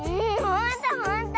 ほんとほんと。